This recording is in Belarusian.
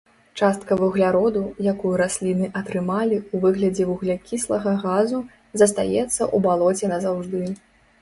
Частка вугляроду, якую расліны атрымалі ў выглядзе вуглякіслага газу, застаецца ў балоце назаўжды.